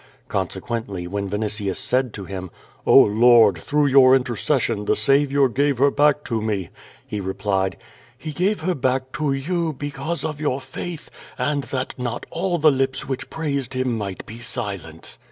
CouHCiiuently, when Yinitius said to him: "Oh, Ijord, through your intercession, the Saviour gave her back to me,'* he replied: "He gave her back to you, because of your faith and that not all the lips which praised Him might be silent.